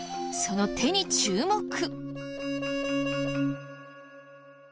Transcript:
その手に注目。